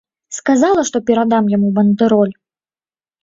Сказала, што перадам яму бандэроль!